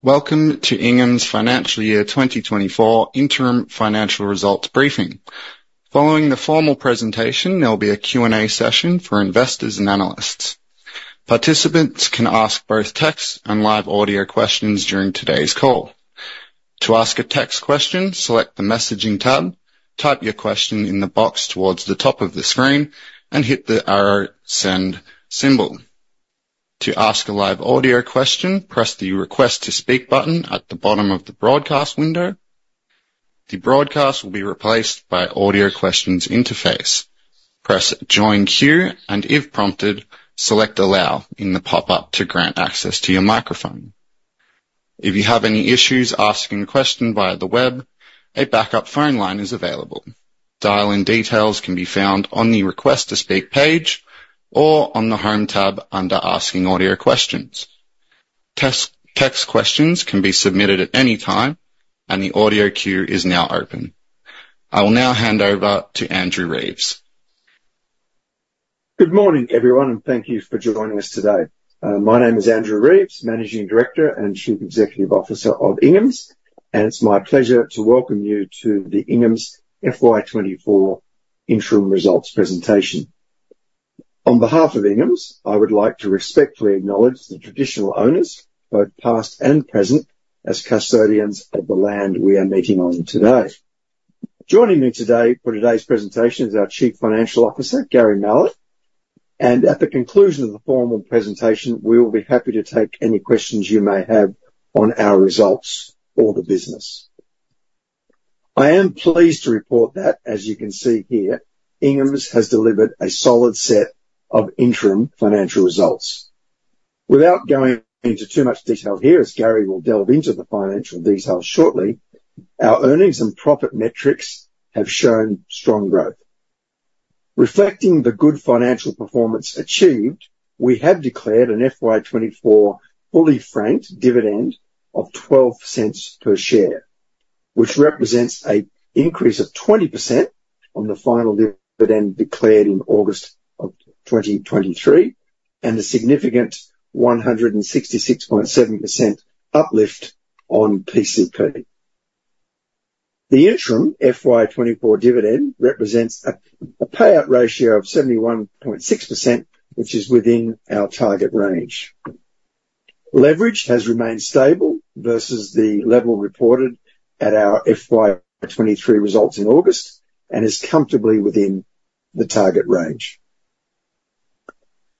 Welcome to Inghams Financial Year 2024 Interim Financial Results Briefing. Following the formal presentation, there'll be a Q&A session for investors and analysts. Participants can ask both text and live audio questions during today's call. To ask a text question, select the Messaging tab, type your question in the box towards the top of the screen, and hit the arrow send symbol. To ask a live audio question, press the Request to Speak button at the bottom of the broadcast window. The broadcast will be replaced by Audio Questions Interface. Press Join Queue, and if prompted, select Allow in the pop-up to grant access to your microphone. If you have any issues asking a question via the web, a backup phone line is available. Dial-in details can be found on the Request to Speak page or on the Home tab under Asking Audio Questions. Text questions can be submitted at any time, and the audio queue is now open. I will now hand over to Andrew Reeves. Good morning, everyone, and thank you for joining us today. My name is Andrew Reeves, Managing Director and Chief Executive Officer of Ingham's, and it's my pleasure to welcome you to the Ingham's FY24 Interim Results Presentation. On behalf of Ingham's, I would like to respectfully acknowledge the traditional owners, both past and present, as custodians of the land we are meeting on today. Joining me today for today's presentation is our Chief Financial Officer, Gary Mallett, and at the conclusion of the formal presentation, we will be happy to take any questions you may have on our results or the business. I am pleased to report that, as you can see here, Ingham's has delivered a solid set of interim financial results. Without going into too much detail here, as Gary will delve into the financial details shortly, our earnings and profit metrics have shown strong growth. Reflecting the good financial performance achieved, we have declared an FY2024 fully franked dividend of 0.12 per share, which represents an increase of 20% on the final dividend declared in August of 2023 and a significant 166.7% uplift on PCP. The interim FY2024 dividend represents a payout ratio of 71.6%, which is within our target range. Leverage has remained stable versus the level reported at our FY2023 results in August and is comfortably within the target range.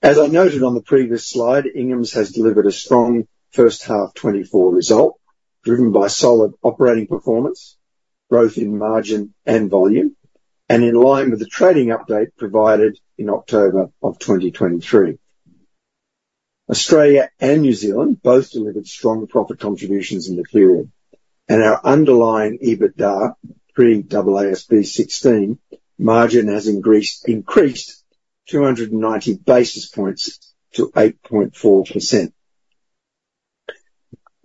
As I noted on the previous slide, Ingham's has delivered a strong first-half 2024 result driven by solid operating performance, growth in margin and volume, and in line with the trading update provided in October of 2023. Australia and New Zealand both delivered strong profit contributions in the period, and our underlying EBITDA pre-AASB 16 margin has increased 290 basis points to 8.4%.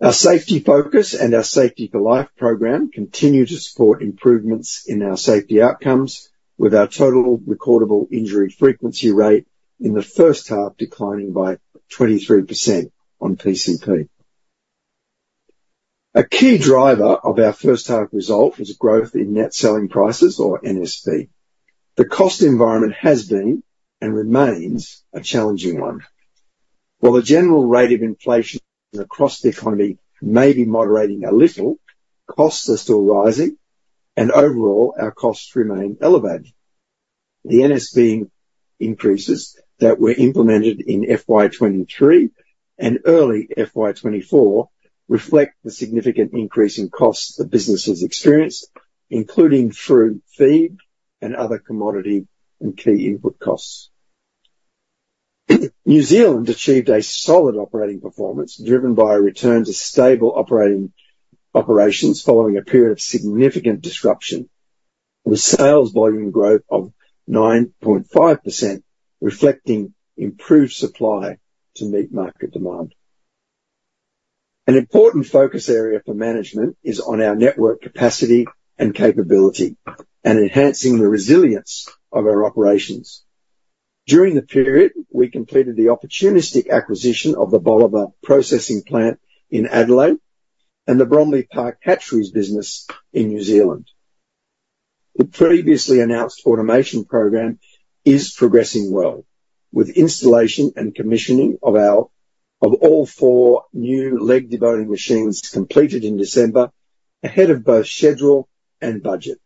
Our safety focus and our Safety for Life program continue to support improvements in our safety outcomes, with our total recordable injury frequency rate in the first half declining by 23% on PCP. A key driver of our first-half result was growth in net selling prices, or NSP. The cost environment has been and remains a challenging one. While the general rate of inflation across the economy may be moderating a little, costs are still rising, and overall, our costs remain elevated. The NSP increases that were implemented in FY23 and early FY24 reflect the significant increase in costs the business has experienced, including through feed and other commodity and key input costs. New Zealand achieved a solid operating performance driven by a return to stable operations following a period of significant disruption, with sales volume growth of 9.5% reflecting improved supply to meet market demand. An important focus area for management is on our network capacity and capability and enhancing the resilience of our operations. During the period, we completed the opportunistic acquisition of the Bolivar processing plant in Adelaide and the Bromley Park Hatcheries business in New Zealand. The previously announced automation program is progressing well, with installation and commissioning of all 4 new leg deboning machines completed in December ahead of both schedule and budget.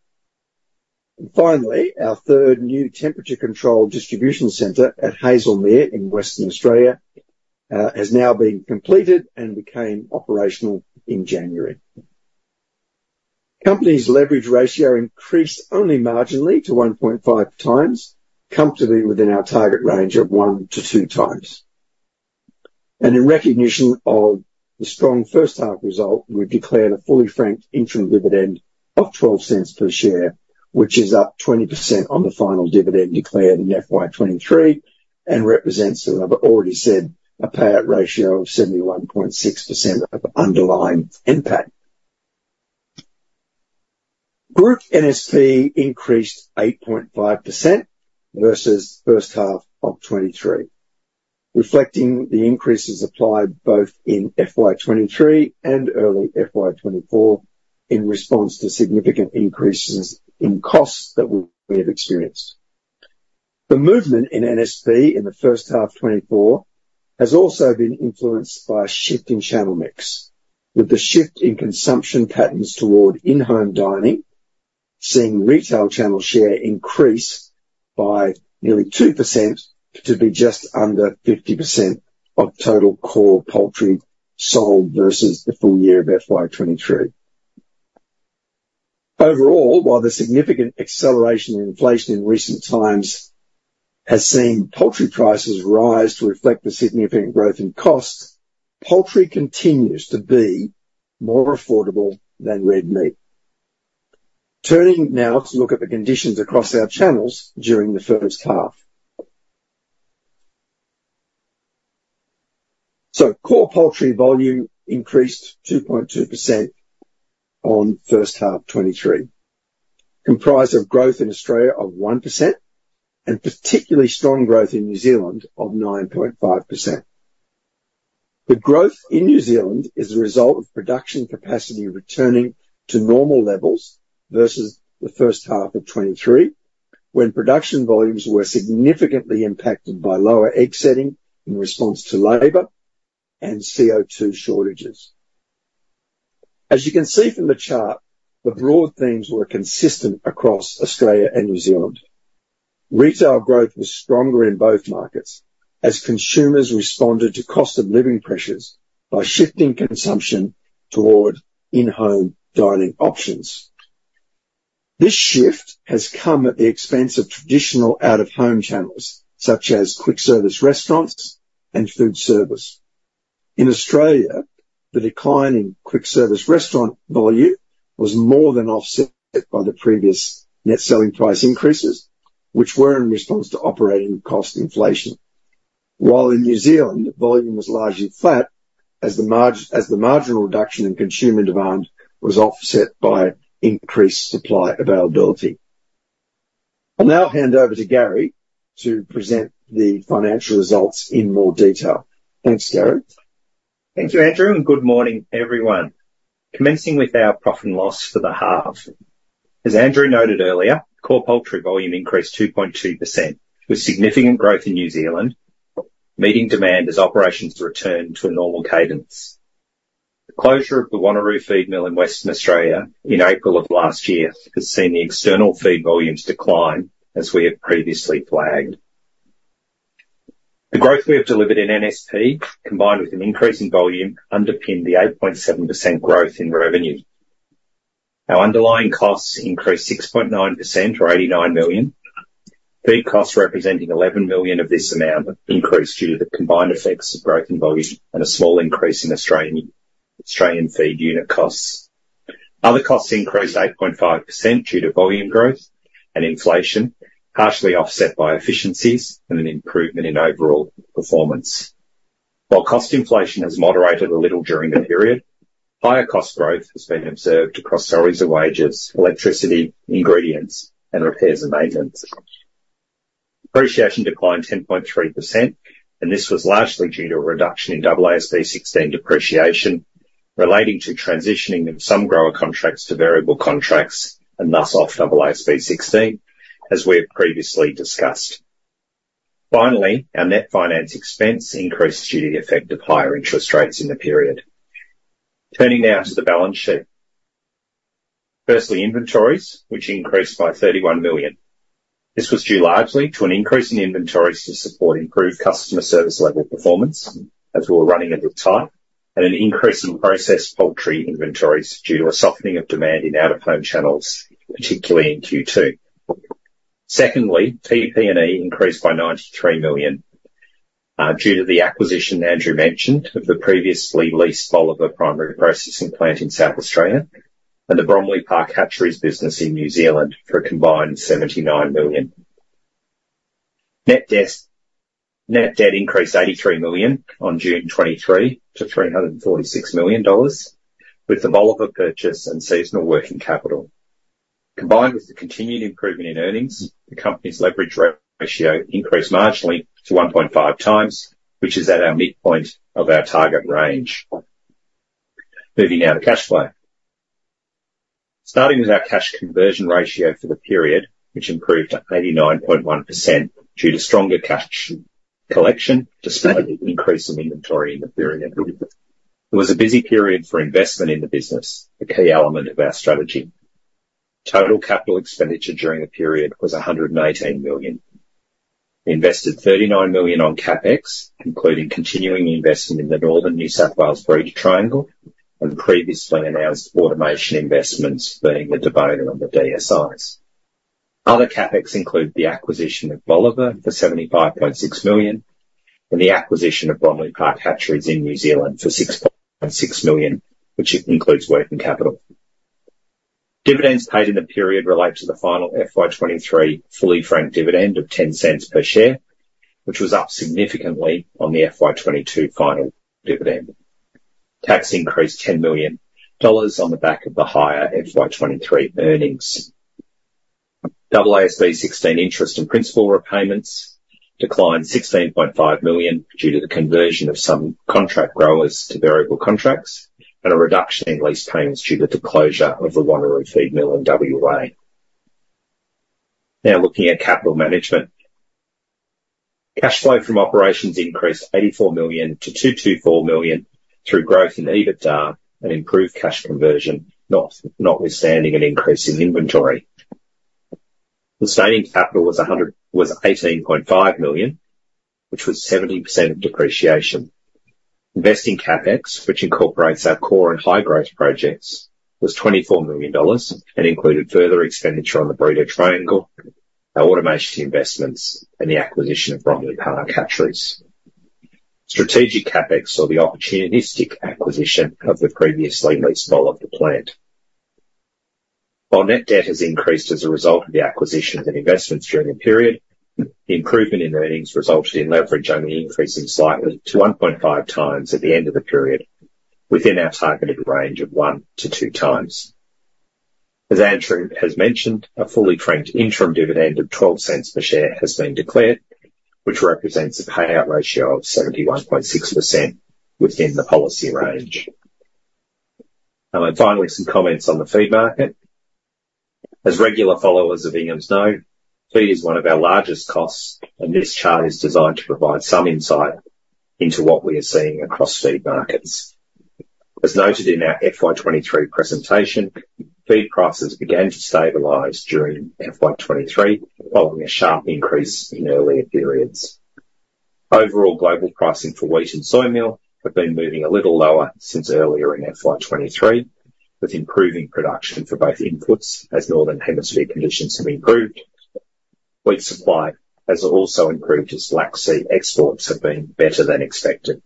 Finally, our third new temperature-controlled distribution center at Hazelmere in Western Australia has now been completed and became operational in January. The Company's leverage ratio increased only marginally to 1.5 times, comfortably within our target range of 1-2 times. In recognition of the strong first-half result, we've declared a fully franked interim dividend of 0.12 per share, which is up 20% on the final dividend declared in FY 2023 and represents, as I've already said, a payout ratio of 71.6% of underlying NPAT Group NSP increased 8.5% versus first half of 2023, reflecting the increases applied both in FY 2023 and early FY 2024 in response to significant increases in costs that we have experienced. The movement in NSP in the first half 2024 has also been influenced by a shift in channel mix, with the shift in consumption patterns toward in-home dining seeing retail channel share increase by nearly 2% to be just under 50% of total core poultry sold versus the full year of FY 2023. Overall, while the significant acceleration in inflation in recent times has seen poultry prices rise to reflect the significant growth in costs, poultry continues to be more affordable than red meat. Turning now to look at the conditions across our channels during the first half. Core poultry volume increased 2.2% on first-half 2023, comprised of growth in Australia of 1% and particularly strong growth in New Zealand of 9.5%. The growth in New Zealand is the result of production capacity returning to normal levels versus the first half of 2023, when production volumes were significantly impacted by lower egg setting in response to labour and CO2 shortages. As you can see from the chart, the broad themes were consistent across Australia and New Zealand. Retail growth was stronger in both markets as consumers responded to cost of living pressures by shifting consumption toward in-home dining options. This shift has come at the expense of traditional out-of-home channels such as quick-service restaurants and food service. In Australia, the decline in quick-service restaurant volume was more than offset by the previous net selling price increases, which were in response to operating cost inflation, while in New Zealand, volume was largely flat as the marginal reduction in consumer demand was offset by increased supply availability. I'll now hand over to Gary to present the financial results in more detail. Thanks, Gary. Thank you, Andrew, and good morning, everyone. Commencing with our profit and loss for the half, as Andrew noted earlier, core poultry volume increased 2.2% with significant growth in New Zealand, meeting demand as operations returned to a normal cadence. The closure of the Wanneroo Feed Mill in Western Australia in April of last year has seen the external feed volumes decline, as we have previously flagged. The growth we have delivered in NSP, combined with an increase in volume, underpinned the 8.7% growth in revenue. Our underlying costs increased 6.9%, or 89 million, feed costs representing 11 million of this amount increased due to the combined effects of growth in volume and a small increase in Australian feed unit costs. Other costs increased 8.5% due to volume growth and inflation, partially offset by efficiencies and an improvement in overall performance. While cost inflation has moderated a little during the period, higher cost growth has been observed across salaries and wages, electricity, ingredients, and repairs and maintenance. Depreciation declined 10.3%, and this was largely due to a reduction in AASB 16 depreciation relating to transitioning some grower contracts to variable contracts and thus off AASB 16, as we have previously discussed. Finally, our net finance expense increased due to the effect of higher interest rates in the period. Turning now to the balance sheet. Firstly, inventories, which increased by 31 million. This was due largely to an increase in inventories to support improved customer service level performance as we were running a bit tight, and an increase in processed poultry inventories due to a softening of demand in out-of-home channels, particularly in Q2. Secondly, PP&E increased by 93 million due to the acquisition Andrew mentioned of the previously leased Bolivar primary processing plant in South Australia and the Bromley Park Hatcheries business in New Zealand for a combined 79 million. Net debt increased 83 million on June 2023 to 346 million dollars, with the Bolivar purchase and seasonal working capital. Combined with the continued improvement in earnings, the company's leverage ratio increased marginally to 1.5 times, which is at our midpoint of our target range. Moving now to cash flow. Starting with our cash conversion ratio for the period, which improved 89.1% due to stronger cash collection despite the increase in inventory in the period. It was a busy period for investment in the business, a key element of our strategy. Total capital expenditure during the period was 118 million. We invested 39 million on CapEx, including continuing investment in the Northern New South Wales Breeder Triangle and previously announced automation investments being the deboners on the DSIs. Other CapEx include the acquisition of Bolivar for AUD 75.6 million and the acquisition of Bromley Park Hatcheries in New Zealand for AUD 6.6 million, which includes working capital. Dividends paid in the period relate to the final FY23 fully franked dividend of 0.10 per share, which was up significantly on the FY22 final dividend. Tax increased 10 million dollars on the back of the higher FY23 earnings. AASB 16 interest and principal repayments declined 16.5 million due to the conversion of some contract growers to variable contracts and a reduction in lease payments due to the closure of the Wanneroo Feed Mill in WA. Now, looking at capital management. Cash flow from operations increased 84 million to 224 million through growth in EBITDA and improved cash conversion, notwithstanding an increase in inventory. Sustaining capital was 18.5 million, which was 70% of depreciation. Investing CapEx, which incorporates our core and high-growth projects, was AUD 24 million and included further expenditure on the Breeder Triangle, our automation investments, and the acquisition of Bromley Park Hatcheries. Strategic CapEx saw the opportunistic acquisition of the previously leased Bolivar plant. While net debt has increased as a result of the acquisitions and investments during the period, the improvement in earnings resulted in leverage only increasing slightly to 1.5 times at the end of the period, within our targeted range of 1-2 times. As Andrew has mentioned, a fully franked interim dividend of 0.12 per share has been declared, which represents a payout ratio of 71.6% within the policy range. Finally, some comments on the feed market. As regular followers of Inghams know, feed is one of our largest costs, and this chart is designed to provide some insight into what we are seeing across feed markets. As noted in our FY23 presentation, feed prices began to stabilize during FY23 following a sharp increase in earlier periods. Overall, global pricing for wheat and soymeal have been moving a little lower since earlier in FY23, with improving production for both inputs as northern hemisphere conditions have improved. Wheat supply has also improved as Black Sea exports have been better than expected.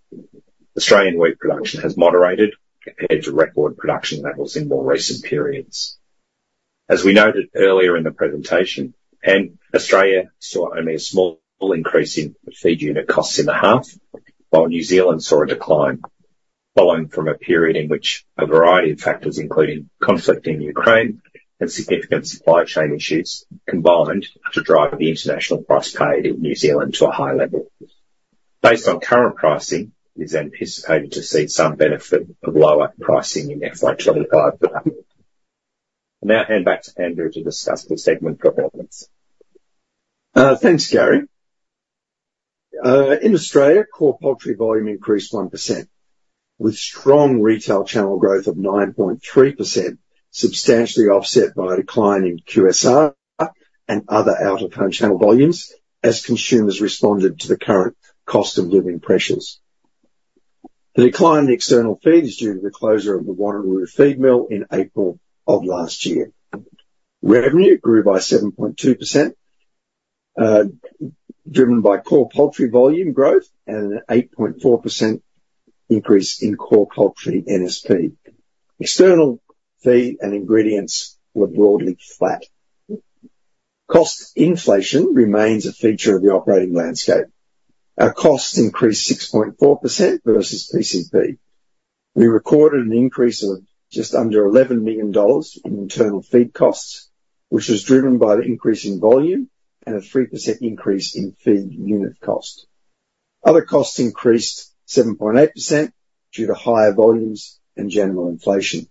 Australian wheat production has moderated compared to record production levels in more recent periods. As we noted earlier in the presentation, Australia saw only a small increase in feed unit costs in the half, while New Zealand saw a decline, following from a period in which a variety of factors, including conflict in Ukraine and significant supply chain issues, combined to drive the international price paid in New Zealand to a high level. Based on current pricing, it is anticipated to see some benefit of lower pricing in FY25 for that. I'll now hand back to Andrew to discuss the segment performance. Thanks, Gary. In Australia, core poultry volume increased 1%, with strong retail channel growth of 9.3%, substantially offset by a decline in QSR and other out-of-home channel volumes as consumers responded to the current cost of living pressures. The decline in external feed is due to the closure of the Wanneroo Feed Mill in April of last year. Revenue grew by 7.2%, driven by core poultry volume growth and an 8.4% increase in core poultry NSP. External feed and ingredients were broadly flat. Cost inflation remains a feature of the operating landscape. Our costs increased 6.4% versus PCP. We recorded an increase of just under 11 million dollars in internal feed costs, which was driven by the increase in volume and a 3% increase in feed unit cost. Other costs increased 7.8% due to higher volumes and general inflation.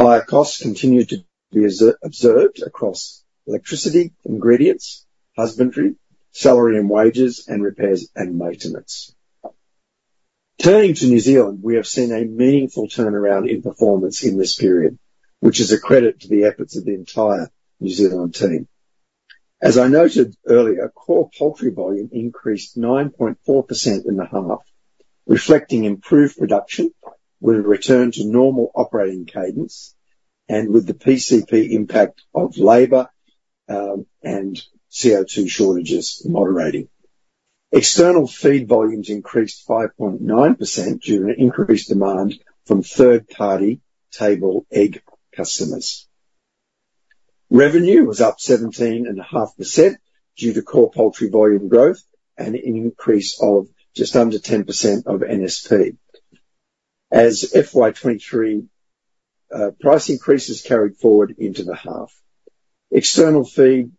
Higher costs continued to be observed across electricity, ingredients, husbandry, salary and wages, and repairs and maintenance. Turning to New Zealand, we have seen a meaningful turnaround in performance in this period, which is a credit to the efforts of the entire New Zealand team. As I noted earlier, core poultry volume increased 9.4% in the half, reflecting improved production with a return to normal operating cadence and with the PCP impact of labor and CO2 shortages moderating. External feed volumes increased 5.9% due to an increased demand from third-party table egg customers. Revenue was up 17.5% due to core poultry volume growth and an increase of just under 10% of NSP as FY23 price increases carried forward into the half. External feed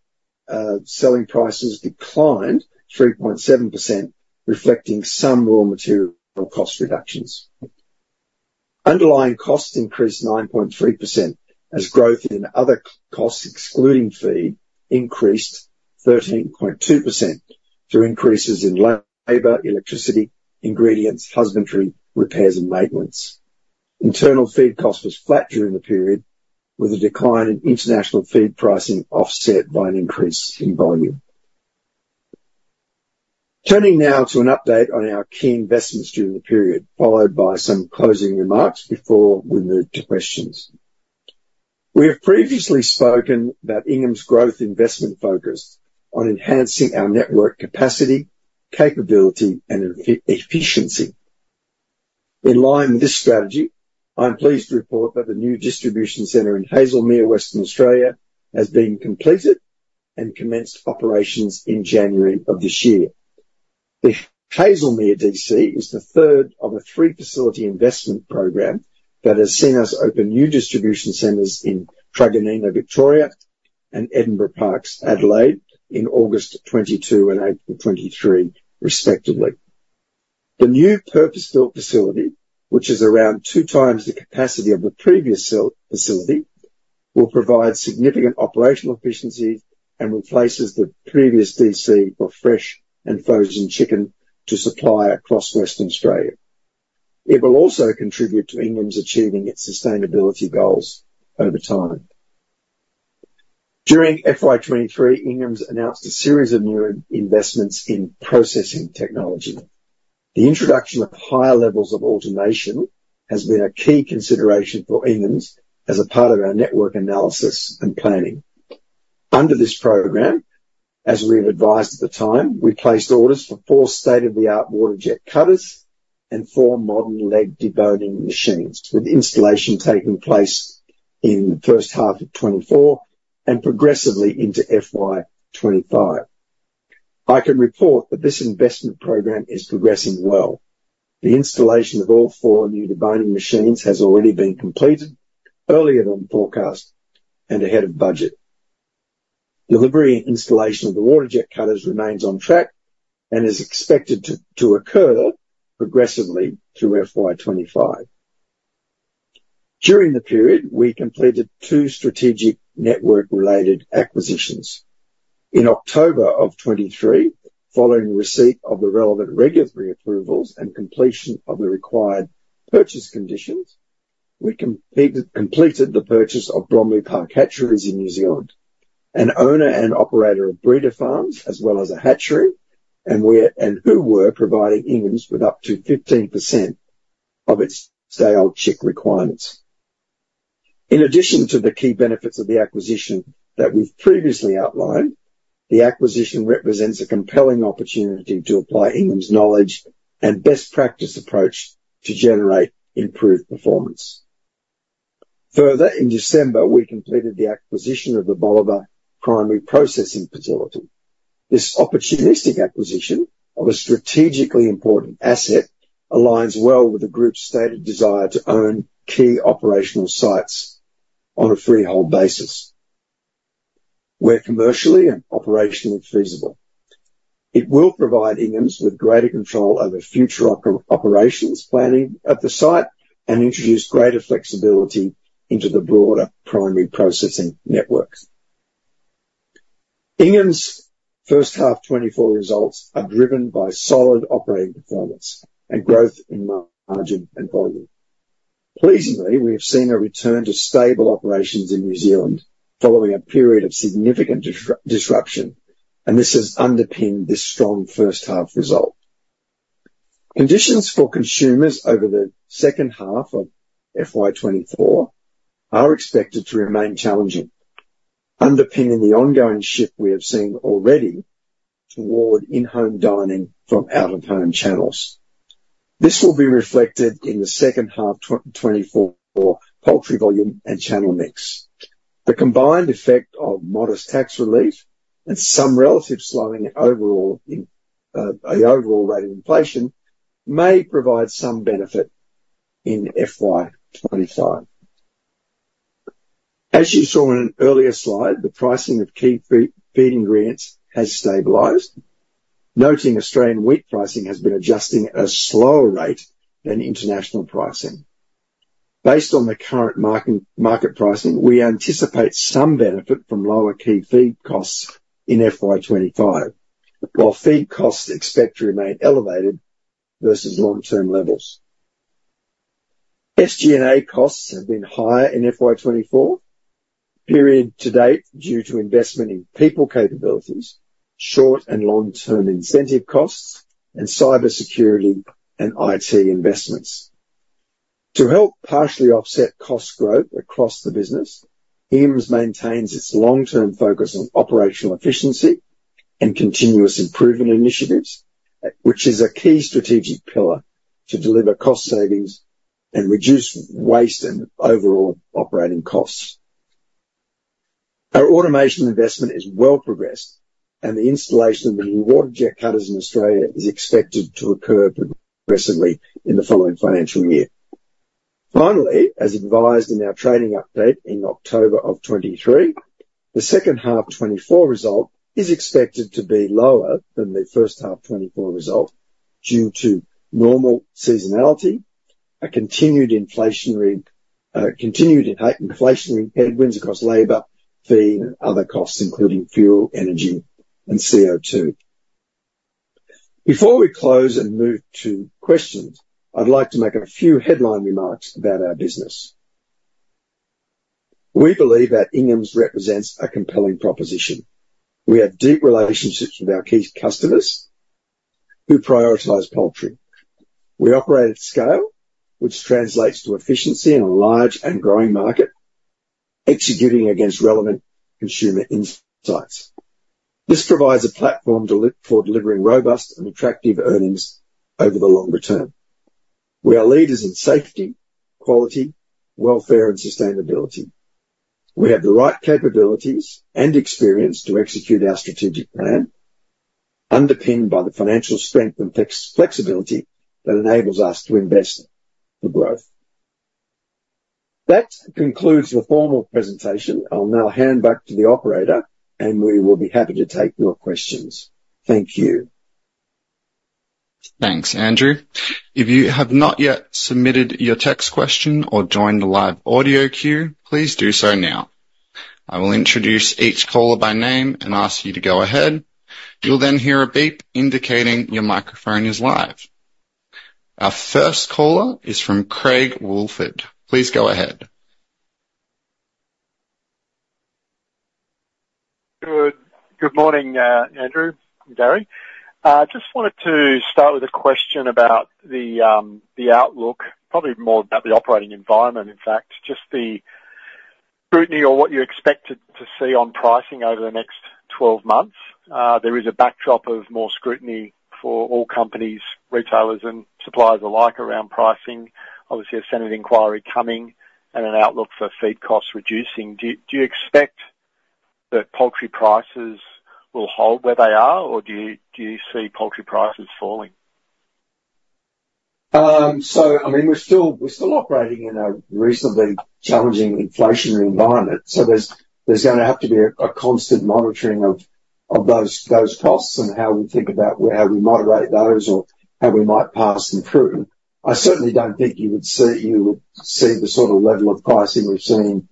selling prices declined 3.7%, reflecting some raw material cost reductions. Underlying costs increased 9.3% as growth in other costs excluding feed increased 13.2% through increases in labor, electricity, ingredients, husbandry, repairs, and maintenance. Internal feed cost was flat during the period, with a decline in international feed pricing offset by an increase in volume. Turning now to an update on our key investments during the period, followed by some closing remarks before we move to questions. We have previously spoken that Inghams Growth investment focused on enhancing our network capacity, capability, and efficiency. In line with this strategy, I'm pleased to report that the new distribution center in Hazelmere, Western Australia, has been completed and commenced operations in January of this year. The Hazelmere DC is the third of a three-facility investment program that has seen us open new distribution centers in Truganina, Victoria, and Edinburgh Parks, Adelaide, in August 2022 and April 2023, respectively. The new purpose-built facility, which is around 2 times the capacity of the previous facility, will provide significant operational efficiencies and replaces the previous DC for fresh and frozen chicken to supply across Western Australia. It will also contribute to Inghams achieving its sustainability goals over time. During FY23, Inghams announced a series of new investments in processing technology. The introduction of higher levels of automation has been a key consideration for Inghams as a part of our network analysis and planning. Under this program, as we have advised at the time, we placed orders for 4 state-of-the-art water jet cutters and 4 modern leg deboning machines, with installation taking place in the first half of 2024 and progressively into FY25. I can report that this investment program is progressing well. The installation of all 4 new deboning machines has already been completed earlier than forecast and ahead of budget. Delivery and installation of the water jet cutters remains on track and is expected to occur progressively through FY25. During the period, we completed 2 strategic network-related acquisitions. In October 2023, following receipt of the relevant regulatory approvals and completion of the required purchase conditions, we completed the purchase of Bromley Park Hatcheries in New Zealand, an owner and operator of breeder farms as well as a hatchery, and who were providing Inghams with up to 15% of its day-old chick requirements. In addition to the key benefits of the acquisition that we've previously outlined, the acquisition represents a compelling opportunity to apply Inghams' knowledge and best-practice approach to generate improved performance. Further, in December 2023, we completed the acquisition of the Bolivar primary processing facility. This opportunistic acquisition of a strategically important asset aligns well with the group's stated desire to own key operational sites on a freehold basis. We're commercially and operationally feasible. It will provide Inghams with greater control over future operations planning at the site and introduce greater flexibility into the broader primary processing networks. Inghams' first half 2024 results are driven by solid operating performance and growth in margin and volume. Pleasingly, we have seen a return to stable operations in New Zealand following a period of significant disruption, and this has underpinned this strong first half result. Conditions for consumers over the second half of FY2024 are expected to remain challenging, underpinning the ongoing shift we have seen already toward in-home dining from out-of-home channels. This will be reflected in the second half 2024 poultry volume and channel mix. The combined effect of modest tax relief and some relative slowing in overall rate of inflation may provide some benefit in FY2025. As you saw in an earlier slide, the pricing of key feed ingredients has stabilized, noting Australian wheat pricing has been adjusting at a slower rate than international pricing. Based on the current market pricing, we anticipate some benefit from lower key feed costs in FY25, while feed costs expect to remain elevated versus long-term levels. SG&A costs have been higher in FY24, period to date due to investment in people capabilities, short and long-term incentive costs, and cybersecurity and IT investments. To help partially offset cost growth across the business, Ingham's maintains its long-term focus on operational efficiency and continuous improvement initiatives, which is a key strategic pillar to deliver cost savings and reduce waste and overall operating costs. Our automation investment is well progressed, and the installation of the new water jet cutters in Australia is expected to occur progressively in the following financial year. Finally, as advised in our training update in October of 2023, the second half 2024 result is expected to be lower than the first half 2024 result due to normal seasonality, continued inflationary headwinds across labor, feed, and other costs, including fuel, energy, and CO2. Before we close and move to questions, I'd like to make a few headline remarks about our business. We believe that Inghams represents a compelling proposition. We have deep relationships with our key customers who prioritize poultry. We operate at scale, which translates to efficiency in a large and growing market, executing against relevant consumer insights. This provides a platform for delivering robust and attractive earnings over the longer term. We are leaders in safety, quality, welfare, and sustainability. We have the right capabilities and experience to execute our strategic plan, underpinned by the financial strength and flexibility that enables us to invest for growth. That concludes the formal presentation. I'll now hand back to the operator, and we will be happy to take your questions. Thank you. Thanks, Andrew. If you have not yet submitted your text question or joined the live audio queue, please do so now. I will introduce each caller by name and ask you to go ahead. You'll then hear a beep indicating your microphone is live. Our first caller is from Craig Woolford. Please go ahead. Good morning, Andrew and Gary. I just wanted to start with a question about the outlook, probably more about the operating environment, in fact, just the scrutiny or what you expect to see on pricing over the next 12 months. There is a backdrop of more scrutiny for all companies, retailers, and suppliers alike around pricing, obviously a Senate inquiry coming, and an outlook for feed costs reducing. Do you expect that poultry prices will hold where they are, or do you see poultry prices falling? So I mean, we're still operating in a reasonably challenging inflationary environment, so there's going to have to be a constant monitoring of those costs and how we think about how we moderate those or how we might pass them through. I certainly don't think you would see the sort of level of pricing we've seen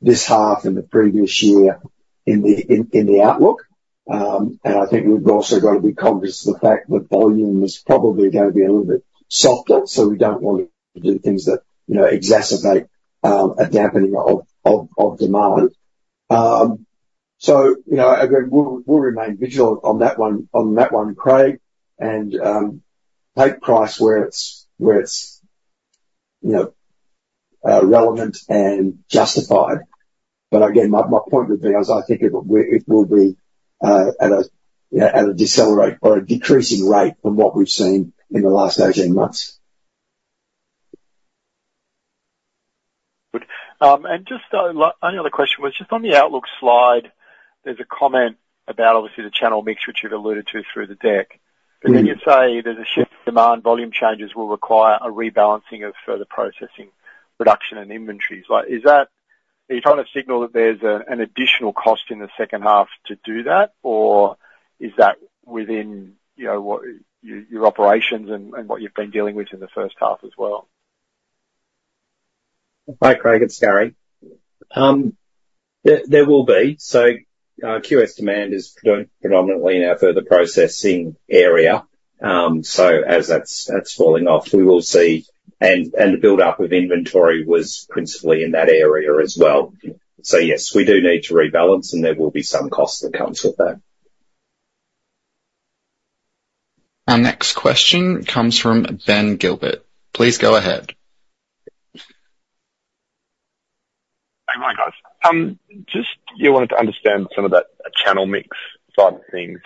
this half and the previous year in the outlook. And I think we've also got to be cognizant of the fact that volume is probably going to be a little bit softer, so we don't want to do things that exacerbate a dampening of demand. So again, we'll remain vigilant on that one, Craig, and take price where it's relevant and justified. But again, my point would be as I think of it, it will be at a decelerate or a decreasing rate from what we've seen in the last 18 months. Good. Only other question was just on the outlook slide, there's a comment about obviously the channel mix, which you've alluded to through the deck. But then you say there's a shift in demand. Volume changes will require a rebalancing of further processing, production, and inventories. Are you trying to signal that there's an additional cost in the second half to do that, or is that within your operations and what you've been dealing with in the first half as well? Hi, Craig. It's Gary. There will be. So QS demand is predominantly in our further processing area. So as that's falling off, we will see, and the buildup of inventory was principally in that area as well. So yes, we do need to rebalance, and there will be some cost that comes with that. Our next question comes from Ben Gilbert. Please go ahead. Hey, my guys. Just wanted to understand some of that channel mix side of things.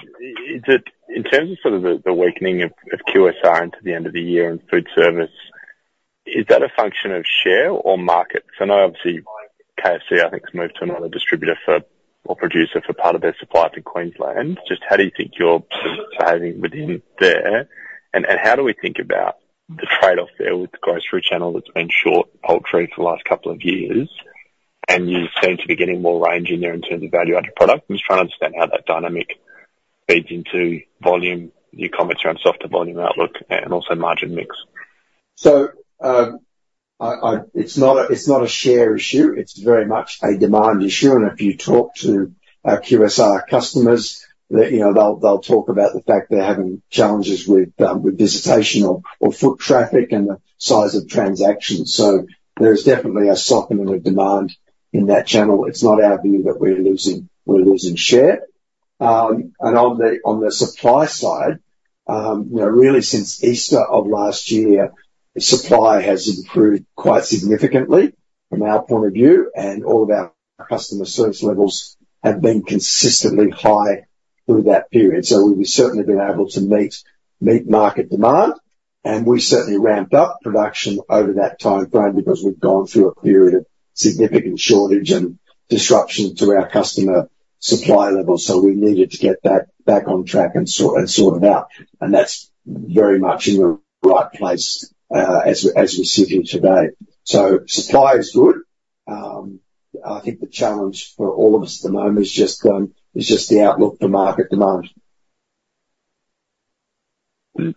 In terms of sort of the weakening of QSR into the end of the year and food service, is that a function of share or market? So now obviously, KFC, I think, has moved to another distributor or producer for part of their supply to Queensland. Just how do you think you're sort of behaving within there, and how do we think about the trade-off there with the grocery channel that's been short poultry for the last couple of years, and you seem to be getting more range in there in terms of value-added product? I'm just trying to understand how that dynamic feeds into volume, your comments around softer volume outlook, and also margin mix. So it's not a share issue. It's very much a demand issue. And if you talk to QSR customers, they'll talk about the fact they're having challenges with visitation or foot traffic and the size of transactions. So there is definitely a softening of demand in that channel. It's not our view that we're losing share. And on the supply side, really since Easter of last year, supply has improved quite significantly from our point of view, and all of our customer service levels have been consistently high through that period. So we've certainly been able to meet market demand, and we certainly ramped up production over that timeframe because we've gone through a period of significant shortage and disruption to our customer supply levels. So we needed to get that back on track and sorted out. And that's very much in the right place as we sit here today. So supply is good. I think the challenge for all of us at the moment is just the outlook for market demand. On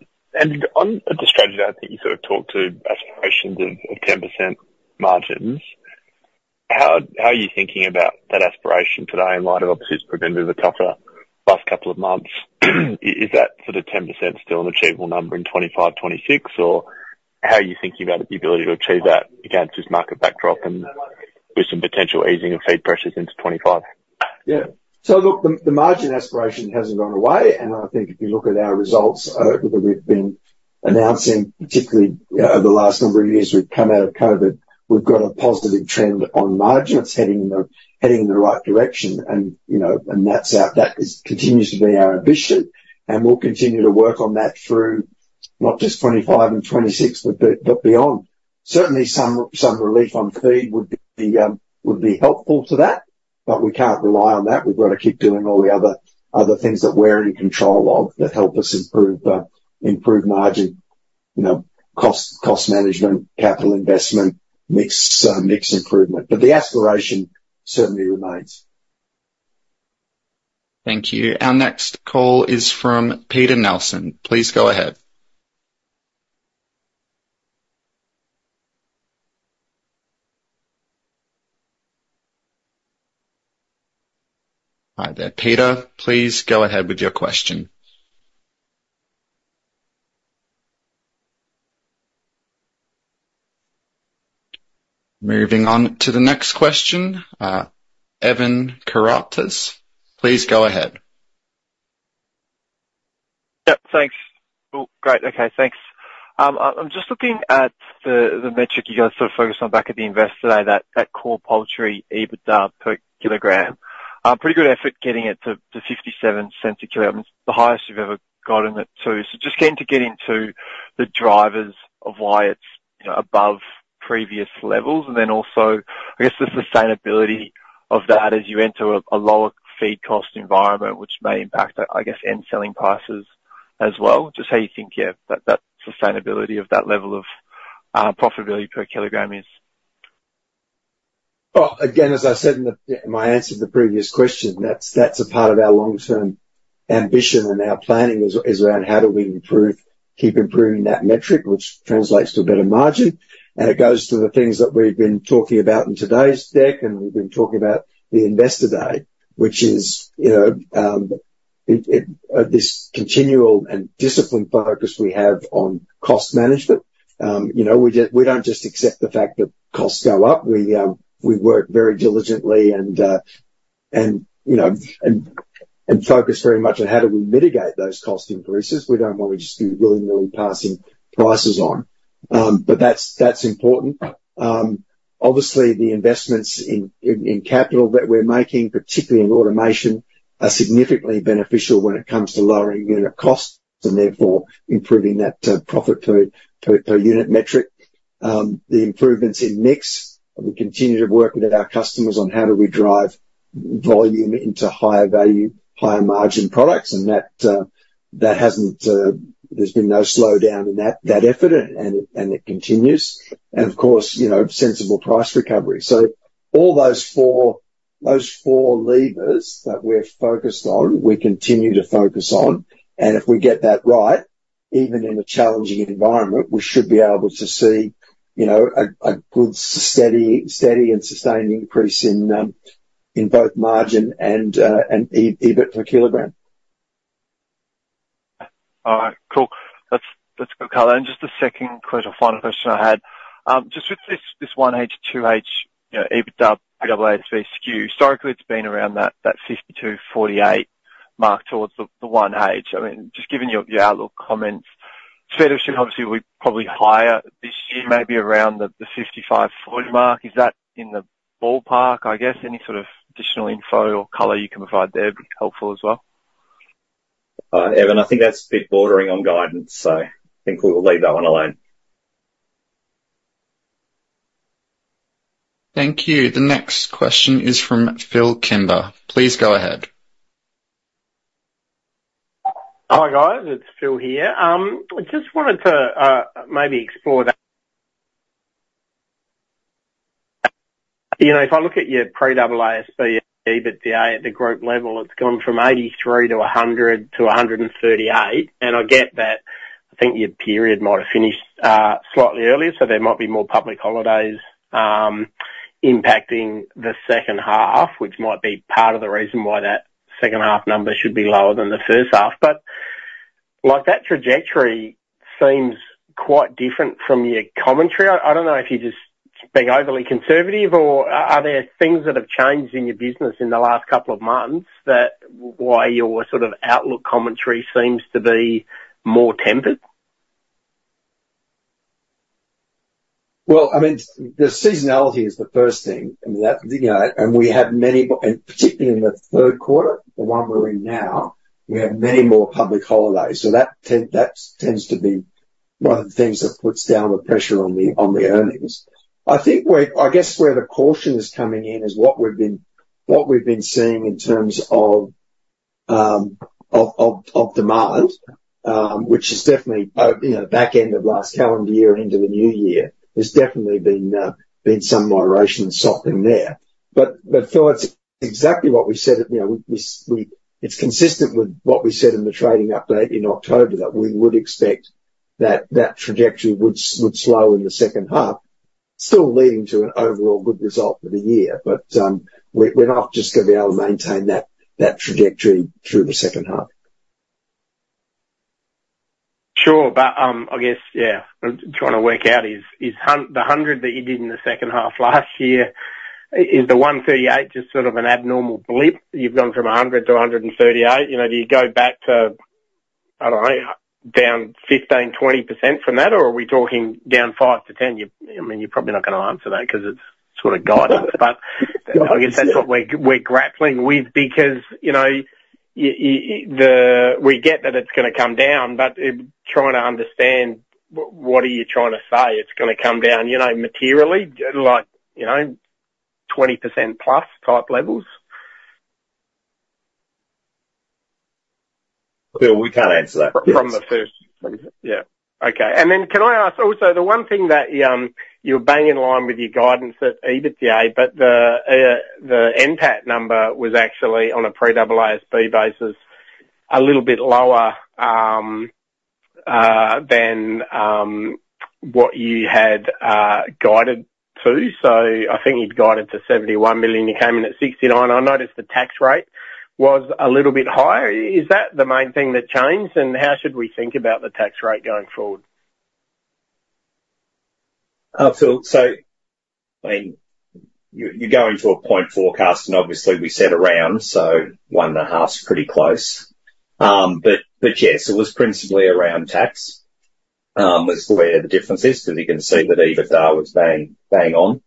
the strategy, I think you sort of talked to aspirations of 10% margins. How are you thinking about that aspiration today in light of obviously it's proven to be the tougher last couple of months? Is that sort of 10% still an achievable number in 2025, 2026, or how are you thinking about the ability to achieve that against this market backdrop and with some potential easing of feed pressures into 2025? Yeah. So look, the margin aspiration hasn't gone away. And I think if you look at our results that we've been announcing, particularly over the last number of years, we've come out of COVID. We've got a positive trend on margin. It's heading in the right direction, and that continues to be our ambition. And we'll continue to work on that through not just 2025 and 2026 but beyond. Certainly, some relief on feed would be helpful to that, but we can't rely on that. We've got to keep doing all the other things that we're in control of that help us improve margin, cost management, capital investment, mix improvement. But the aspiration certainly remains. Thank you. Our next call is from Peter Nelson. Please go ahead. Hi there, Peter. Please go ahead with your question. Moving on to the next question, Evan Karatzis. Please go ahead. Yep, thanks. Great. Okay, thanks. I'm just looking at the metric you guys sort of focused on back at the invest today, that core poultry EBITDA per kilogram. Pretty good effort getting it to 0.57 a kilo. I mean, it's the highest you've ever gotten it to. So just keen to get into the drivers of why it's above previous levels, and then also, I guess, the sustainability of that as you enter a lower feed cost environment, which may impact, I guess, end-selling prices as well. Just how you think, yeah, that sustainability of that level of profitability per kilogram is? Well, again, as I said in my answer to the previous question, that's a part of our long-term ambition and our planning is around how do we keep improving that metric, which translates to a better margin. And it goes to the things that we've been talking about in today's deck, and we've been talking about the investor day, which is this continual and disciplined focus we have on cost management. We don't just accept the fact that costs go up. We work very diligently and focus very much on how do we mitigate those cost increases. We don't want to just be willy-nilly passing prices on. But that's important. Obviously, the investments in capital that we're making, particularly in automation, are significantly beneficial when it comes to lowering unit costs and therefore improving that profit per unit metric. The improvements in mix, we continue to work with our customers on how do we drive volume into higher value, higher margin products, and there's been no slowdown in that effort, and it continues. And of course, sensible price recovery. So all those four levers that we're focused on, we continue to focus on. And if we get that right, even in a challenging environment, we should be able to see a good, steady, and sustained increase in both margin and EBIT per kilogram. All right. Cool. Let's go, Carla. Just the second quote or final question I had. Just with this 1H, 2H EBITDA Pre-AASB skew, historically, it's been around that 52-48 mark towards the 1H. I mean, just given your outlook comments, The skew, obviously, will be probably higher this year, maybe around the 55-40 mark. Is that in the ballpark, I guess? Any sort of additional info or color you can provide there would be helpful as well. Evan, I think that's a bit bordering on guidance, so I think we will leave that one alone. Thank you. The next question is from Phil Kimber. Please go ahead. Hi, guys. It's Phil here. I just wanted to maybe explore that. If I look at your Pre-AASB EBITDA at the group level, it's gone from 83 to 100 to 138. And I get that. I think your period might have finished slightly earlier, so there might be more public holidays impacting the second half, which might be part of the reason why that second half number should be lower than the first half. But that trajectory seems quite different from your commentary. I don't know if you're just being overly conservative, or are there things that have changed in your business in the last couple of months that's why your sort of outlook commentary seems to be more tempered? Well, I mean, the seasonality is the first thing. I mean, and we had many, and particularly in the third quarter, the one we're in now, we had many more public holidays. So that tends to be one of the things that puts down the pressure on the earnings. I guess where the caution is coming in is what we've been seeing in terms of demand, which is definitely back end of last calendar year and into the new year. There's definitely been some moderation and softening there. But Phil, it's exactly what we said. It's consistent with what we said in the trading update in October, that we would expect that trajectory would slow in the second half, still leading to an overall good result for the year. But we're not just going to be able to maintain that trajectory through the second half. Sure. But I guess, yeah, I'm trying to work out, is the 100 that you did in the second half last year, is the 138 just sort of an abnormal blip? You've gone from 100 to 138. Do you go back to, I don't know, down 15%-20% from that, or are we talking down 5%-10%? I mean, you're probably not going to answer that because it's sort of guidance. But I guess that's what we're grappling with because we get that it's going to come down, but trying to understand what are you trying to say? It's going to come down materially, like 20%+ type levels? Phil, we can't answer that. From the first, yeah. Okay. And then can I ask also, the one thing that you were banging along with your guidance at EBITDA, but the NPAT number was actually, on a Pre-AASB basis, a little bit lower than what you had guided to. So I think you'd guided to 71 million. You came in at 69 million. I noticed the tax rate was a little bit higher. Is that the main thing that changed, and how should we think about the tax rate going forward? So I mean, you go into a point forecast, and obviously, we set around, so 1.5's pretty close. But yes, it was principally around tax was where the difference is because you can see that EBITDA was bang on.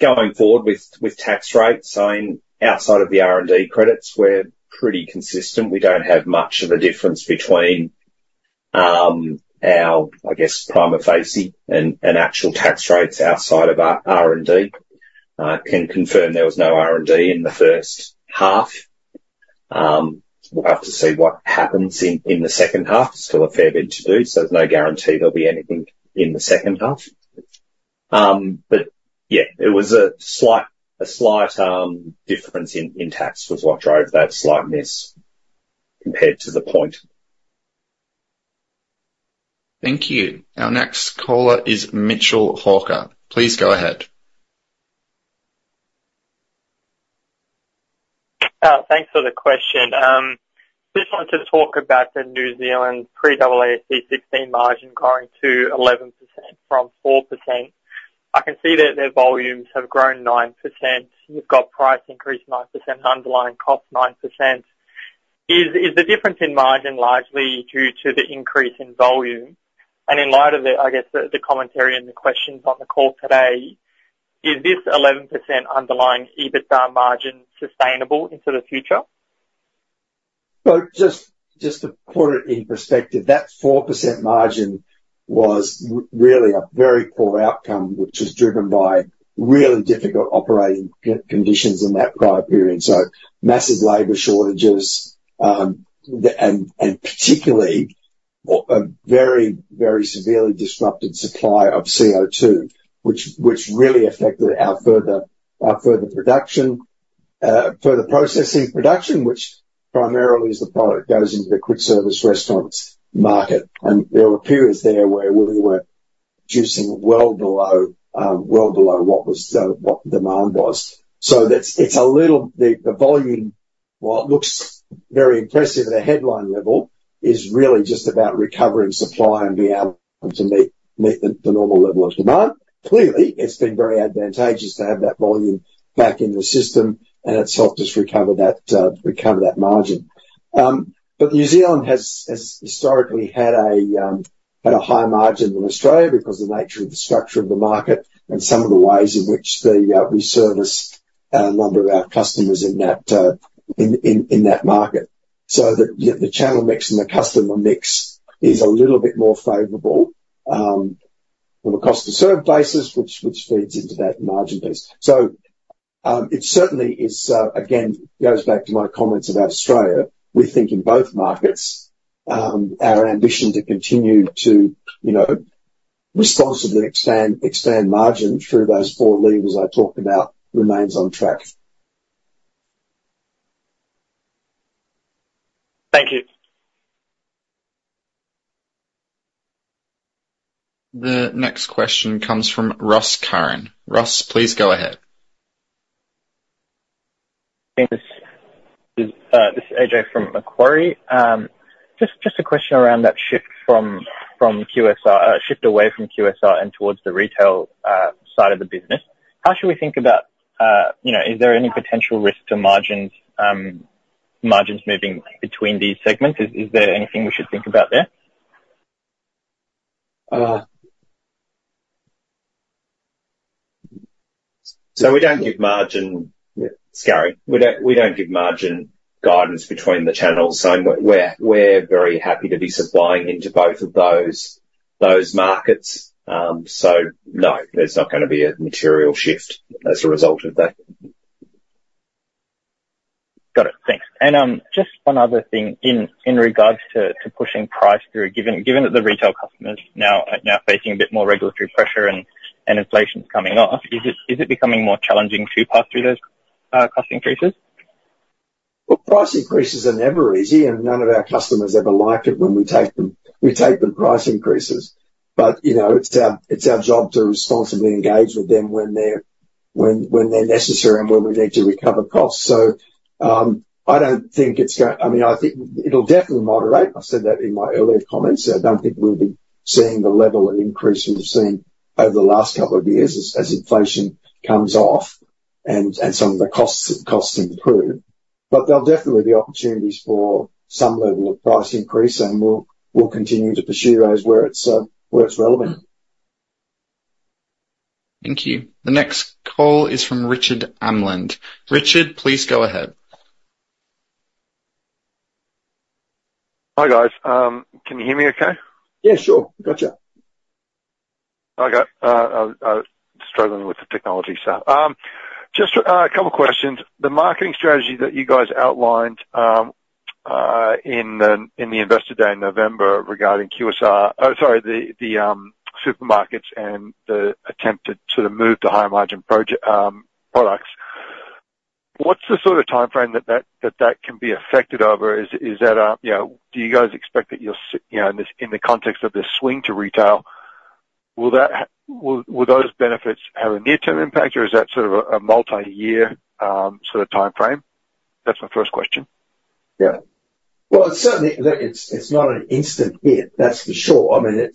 Going forward with tax rates, I mean, outside of the R&D credits, we're pretty consistent. We don't have much of a difference between our, I guess, prima facie and actual tax rates outside of R&D. I can confirm there was no R&D in the first half. We'll have to see what happens in the second half. It's still a fair bit to do, so there's no guarantee there'll be anything in the second half. But yeah, it was a slight difference in tax was what drove that slightness compared to the point. Thank you. Our next caller is Mitchell Hawker. Please go ahead. Thanks for the question. I just wanted to talk about the New Zealand Pre-AASB 16 margin growing to 11% from 4%. I can see that their volumes have grown 9%. You've got price increase 9% and underlying cost 9%. Is the difference in margin largely due to the increase in volume? And in light of, I guess, the commentary and the questions on the call today, is this 11% underlying EBITDA margin sustainable into the future? Well, just to put it in perspective, that 4% margin was really a very poor outcome, which was driven by really difficult operating conditions in that prior period, so massive labor shortages and particularly a very, very severely disrupted supply of CO2, which really affected our further processing production, which primarily is the product that goes into the quick-service restaurants market. There were periods there where we were producing well below what the demand was. It's a little the volume, while it looks very impressive at a headline level, is really just about recovering supply and being able to meet the normal level of demand. Clearly, it's been very advantageous to have that volume back in the system, and it's helped us recover that margin. But New Zealand has historically had a high margin than Australia because of the nature of the structure of the market and some of the ways in which we service a number of our customers in that market. So the channel mix and the customer mix is a little bit more favorable from a cost-to-serve basis, which feeds into that margin piece. So it certainly is, again, goes back to my comments about Australia. We think in both markets, our ambition to continue to responsibly expand margin through those four levers I talked about remains on track. Thank you. The next question comes from Ross Curran. Ross, please go ahead. Thanks. This is AJ from Macquarie. Just a question around that shift away from QSR and towards the retail side of the business. How should we think about is there any potential risk to margins moving between these segments? Is there anything we should think about there? So we don't give margin guidance. We don't give margin guidance between the channels, so we're very happy to be supplying into both of those markets. So no, there's not going to be a material shift as a result of that. Got it. Thanks. Just one other thing in regards to pushing price through, given that the retail customers are now facing a bit more regulatory pressure and inflation's coming off, is it becoming more challenging to pass through those cost increases? Well, price increases are never easy, and none of our customers ever like it when we take them price increases. But it's our job to responsibly engage with them when they're necessary and when we need to recover costs. So I don't think it's going to, I mean, I think it'll definitely moderate. I said that in my earlier comments. I don't think we'll be seeing the level of increase we've seen over the last couple of years as inflation comes off and some of the costs improve. But there'll definitely be opportunities for some level of price increase, and we'll continue to pursue those where it's relevant. Thank you. The next call is from Richard Amland. Richard, please go ahead. Hi, guys. Can you hear me okay? Yeah, sure. Gotcha. Okay. I'm struggling with the technology stuff. Just a couple of questions. The marketing strategy that you guys outlined in the investor day in November regarding QSR oh, sorry, the supermarkets and the attempt to sort of move the higher margin products, what's the sort of timeframe that that can be affected over? Is that a do you guys expect that you'll sit in the context of this swing to retail, will those benefits have a near-term impact, or is that sort of a multi-year sort of timeframe? That's my first question. Yeah. Well, certainly, it's not an instant hit. That's for sure. I mean,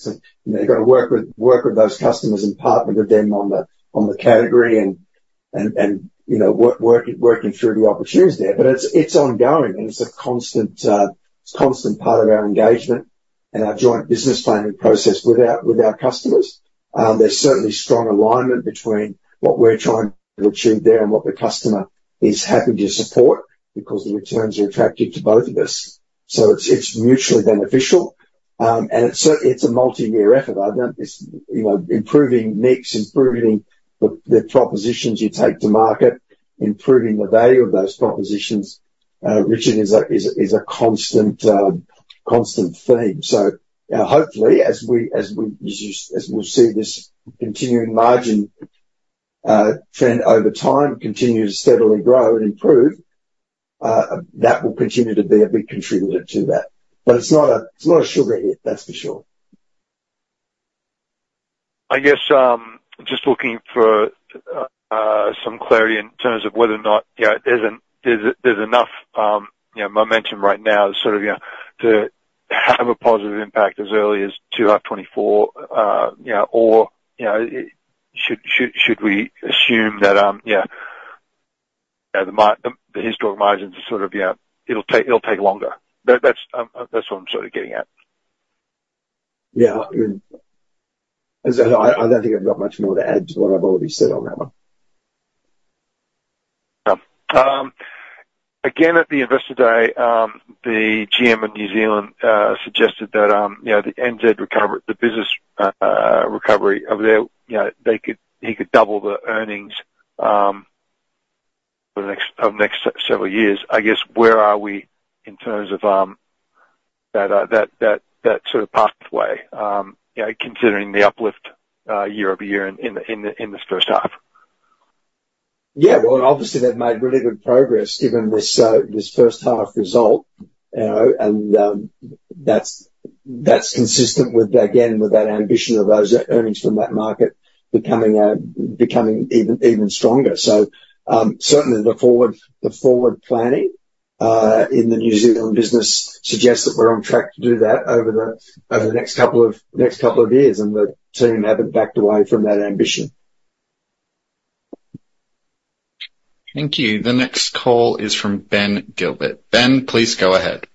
you've got to work with those customers in part with them on the category and working through the opportunities there. But it's ongoing, and it's a constant part of our engagement and our joint business planning process with our customers. There's certainly strong alignment between what we're trying to achieve there and what the customer is happy to support because the returns are attractive to both of us. So it's mutually beneficial, and it's a multi-year effort. It's improving mix, improving the propositions you take to market, improving the value of those propositions. Richard, it's a constant theme. So hopefully, as we see this continuing margin trend over time continue to steadily grow and improve, that will continue to be a big contributor to that. But it's not a sugar hit, that's for sure. I guess just looking for some clarity in terms of whether or not there's enough momentum right now sort of to have a positive impact as early as 2H FY2024, or should we assume that, yeah, the historic margins are sort of it'll take longer? That's what I'm sort of getting at. Yeah. I don't think I've got much more to add to what I've already said on that one. Again, at the investor day, the GM in New Zealand suggested that the NZ recovery, the business recovery that they could double the earnings over the next several years. I guess where are we in terms of that sort of pathway considering the uplift year-over-year in this first half? Yeah. Well, obviously, they've made really good progress given this first-half result, and that's consistent with, again, with that ambition of those earnings from that market becoming even stronger. So certainly, the forward planning in the New Zealand business suggests that we're on track to do that over the next couple of years, and the team haven't backed away from that ambition. Thank you. The next call is from Ben Gilbert. Ben, please go ahead.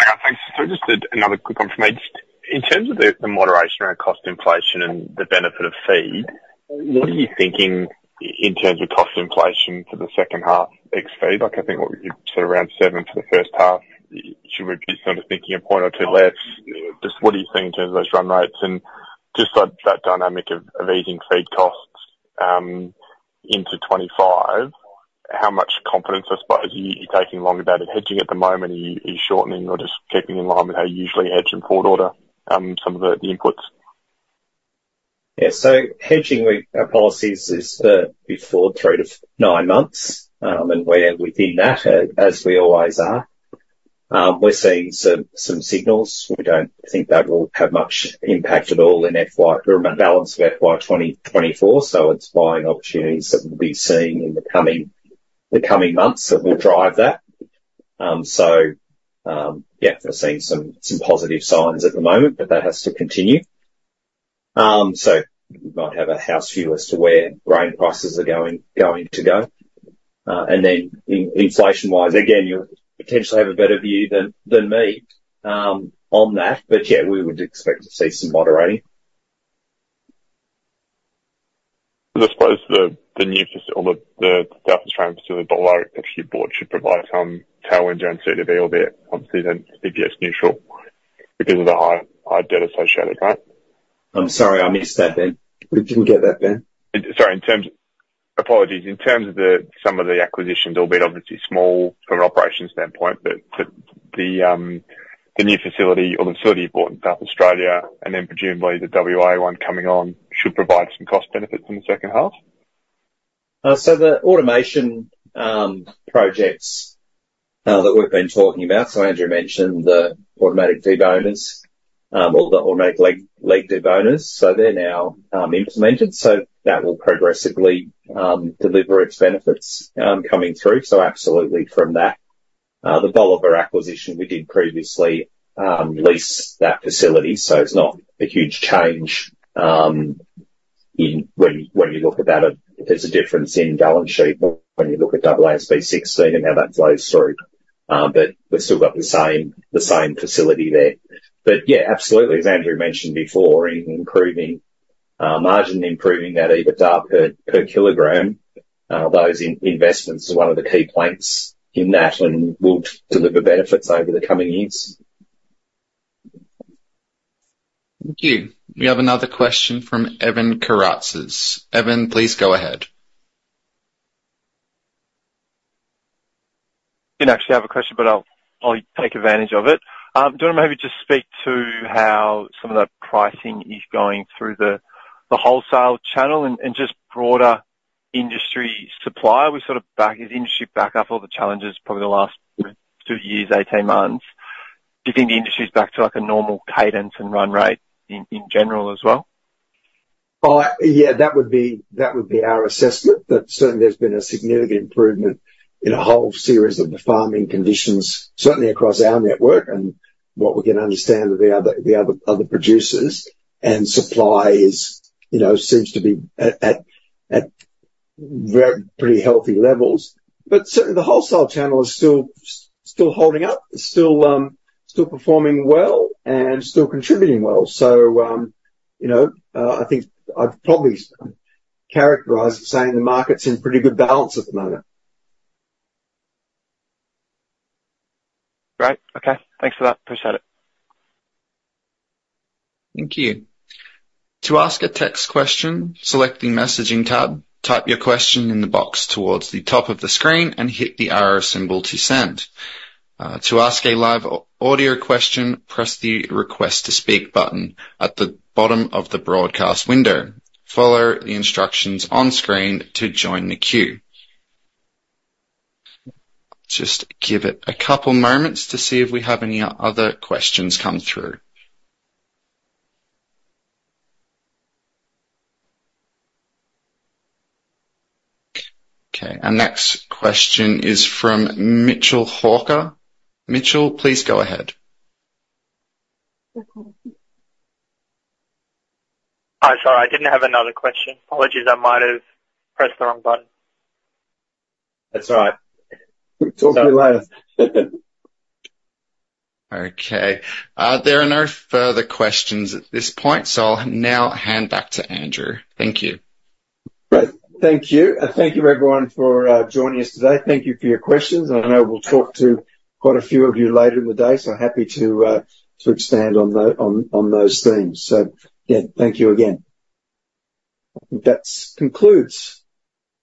Thanks. So just another quick one from me. In terms of the moderation around cost inflation and the benefit of feed, what are you thinking in terms of cost inflation for the second half ex-feed? I think you said around 7% for the first half. You're sort of thinking a point or two less. Just what are you seeing in terms of those run rates? And just that dynamic of easing feed costs into 2025, how much confidence, I suppose, are you taking long-dated hedging at the moment? Are you shortening or just keeping in line with how you usually hedge in forward order, some of the inputs? Yeah. So, hedging policies is the before 3-9 months, and we're within that as we always are. We're seeing some signals. We don't think that will have much impact at all in the balance of FY24, so it's buying opportunities that will be seen in the coming months that will drive that. So yeah, we're seeing some positive signs at the moment, but that has to continue. So we might have a house view as to where grain prices are going to go. And then inflation-wise, again, you'll potentially have a better view than me on that. But yeah, we would expect to see some moderating. I suppose the new South Australian facility, Bolivar, if you bought should provide some tailwinds around EBITDA, albeit obviously then EPS neutral because of the high debt associated, right? I'm sorry. I missed that, Ben. Didn't get that, Ben. Sorry. Apologies. In terms of some of the acquisitions, albeit obviously small from an operations standpoint, but the new facility or the facility you bought in South Australia and then presumably the WA one coming on should provide some cost benefits in the second half? So the automation projects that we've been talking about, so Andrew mentioned the automatic deboners or the automatic leg deboners, so they're now implemented. So that will progressively deliver its benefits coming through. So absolutely from that. The Bolivar acquisition, we did previously lease that facility, so it's not a huge change when you look at that. There's a difference in balance sheet when you look at AASB 16 and how that flows through, but we've still got the same facility there. But yeah, absolutely, as Andrew mentioned before, margin improving that EBITDA per kilogram, those investments are one of the key planks in that and will deliver benefits over the coming years. Thank you. We have another question from Evan Karatzis. Evan, please go ahead. I didn't actually have a question, but I'll take advantage of it. Do you want to maybe just speak to how some of that pricing is going through the wholesale channel and just broader industry supply? We sort of as industry back up all the challenges probably the last 2 years, 18 months. Do you think the industry's back to a normal cadence and run rate in general as well? Well, yeah, that would be our assessment, that certainly there's been a significant improvement in a whole series of the farming conditions, certainly across our network and what we can understand of the other producers. Supply seems to be at pretty healthy levels. Certainly, the wholesale channel is still holding up, still performing well, and still contributing well. I think I'd probably characterize it saying the market's in pretty good balance at the moment. Great. Okay. Thanks for that. Appreciate it. Thank you. To ask a text question, select the messaging tab, type your question in the box towards the top of the screen, and hit the arrow symbol to send. To ask a live audio question, press the request to speak button at the bottom of the broadcast window. Follow the instructions on screen to join the queue. Just give it a couple of moments to see if we have any other questions come through. Okay. Next question is from Mitchell Hawker. Mitchell, please go ahead. Oh, sorry. I didn't have another question. Apologies. I might have pressed the wrong button. That's all right. Talk to me later. Okay. There are no further questions at this point, so I'll now hand back to Andrew. Thank you. Great. Thank you. Thank you, everyone, for joining us today. Thank you for your questions. I know we'll talk to quite a few of you later in the day, so happy to expand on those themes. So yeah, thank you again. I think that concludes.